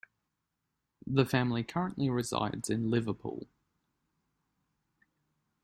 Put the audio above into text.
The family currently resides in Liverpool.